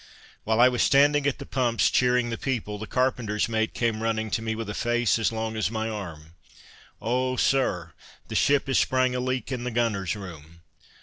While I was standing at the pumps, cheering the people, the carpenter's mate came running to me with a face as long as my arm: "O, Sir! the ship has sprang a leak in the gunner's room."